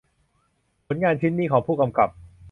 ผลงานชิ้นนี้ของผู้กำกับ